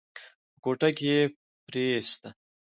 په کوټه کې يې پريېسته.